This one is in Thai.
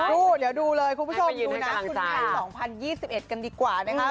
ดูเดี๋ยวดูเลยคุณผู้ชมดูนะคุณไทย๒๐๒๑กันดีกว่านะคะ